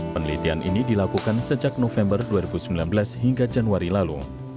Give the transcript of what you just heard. penelitian ini dilakukan sejak november dua ribu sembilan belas hingga januari lalu